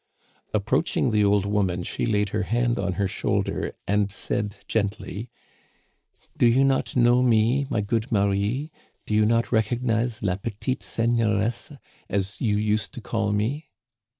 Approaching the old woman, she laid her hand on her shoulder and said gently :*' Do you not know me, my good Marie ? Do you not recognize la petite seigneuresse^ as you used to call me.>"